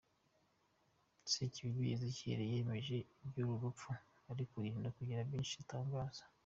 Sekibibi Ezechiel, yemeje iby’uru rupfu ariko yirinda kugira byinshi atangaza.